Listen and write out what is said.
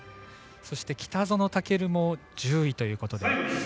そして北園丈琉も１０位ということで。